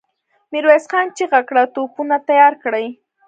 ميرويس خان چيغه کړه! توپونه تيار کړئ!